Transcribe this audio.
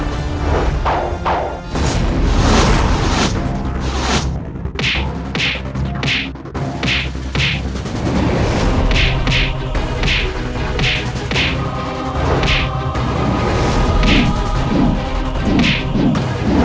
apakah kau yang membunuh warga penduduk itu